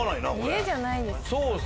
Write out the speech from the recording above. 家じゃないです。